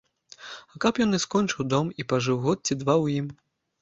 А каб ён і скончыў дом, і пажыў год ці два ў ім.